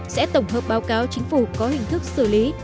sẽ tổng hợp báo cáo chính phủ có hình thức xử lý